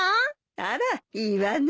あらいいわね。